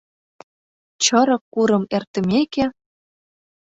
ЧЫРЫК КУРЫМ ЭРТЫМЕКЕ